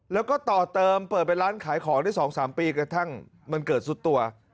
แล้วก็ต่อเติมเปิดเป็นร้านขายของได้๒๓ปีกระทั่งมันเกิดสุดตัว